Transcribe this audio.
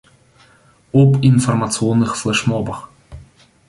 Об информационных флешмобах.